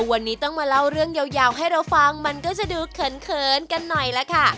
วันนี้ต้องมาเล่าเรื่องยาวให้เราฟังมันก็จะดูเขินกันหน่อยล่ะค่ะ